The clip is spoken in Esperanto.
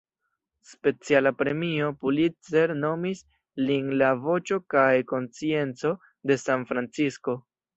Speciala Premio Pulitzer nomis lin la "voĉo kaj konscienco" de San-Francisko.